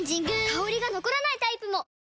香りが残らないタイプも！